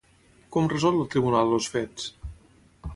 Com resol el tribunal els fets?